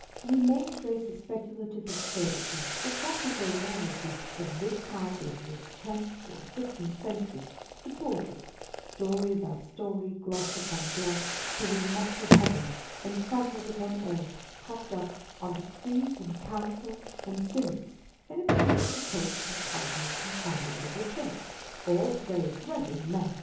1 We may trace a speculative absurdity or practical enormity of this kind into its tenth or fifteenth century, supported, story above story, gloss upon gloss, till it mocks at Heaven, and tramples upon earth, propped up on decrees and councils and synods, and appeals to popes and cardinals and fathers of the church (all grave, reverend men